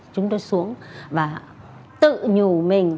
chúng tôi xuống và tự nhủ mình